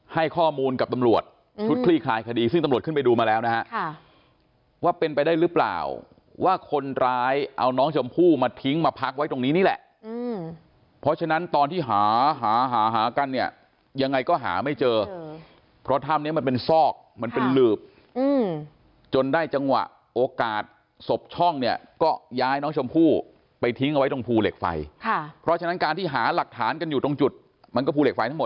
ให้ข้อมูลกับตำรวจชุดคลี่คลายคดีซึ่งตำรวจขึ้นไปดูมาแล้วนะครับว่าเป็นไปได้หรือเปล่าว่าคนร้ายเอาน้องชมพู่มาทิ้งมาพักไว้ตรงนี้นี่แหละเพราะฉะนั้นตอนที่หาหาหากันเนี่ยยังไงก็หาไม่เจอเพราะทำเนี่ยมันเป็นซอกมันเป็นหลือบจนได้จังหวะโอกาสศพช่องเนี่ยก็ย้ายน้องชมพู่ไปทิ้งเอาไว้ต